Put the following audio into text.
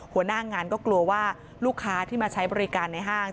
หัวหน้างานก็กลัวว่าลูกค้าที่มาใช้บริการในห้าง